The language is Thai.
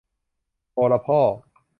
โอละพ่อ